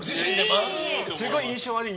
すごい印象悪い？